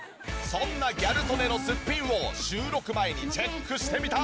そんなギャル曽根のすっぴんを収録前にチェックしてみた。